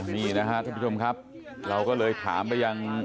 นี่นะครับท่านผู้ชมเราก็เลยถามไป๖๑